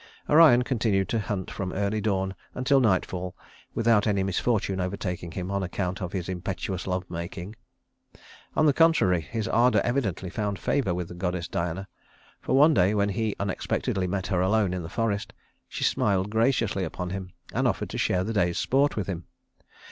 Orion continued to hunt from early dawn until nightfall without any misfortune overtaking him on account of his impetuous love making. On the contrary his ardor evidently found favor with the goddess Diana, for one day, when he unexpectedly met her alone in the forest, she smiled graciously upon him and offered to share the day's sport with him.